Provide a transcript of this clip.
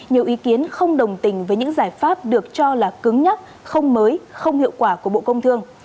nhiều ý kiến không đồng tình với những giải pháp được cho là cứng nhắc không mới không hiệu quả của bộ công thương